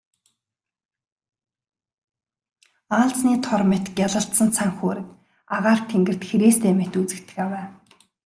Аалзны тор мэт гялалзсан цан хүүрэг агаар тэнгэрт хэрээстэй мэт үзэгдэх авай.